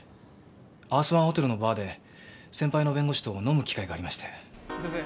アースワンホテルのバーで先輩の弁護士と飲む機会がありまして。